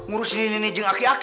ngurusin ini jeng aki aki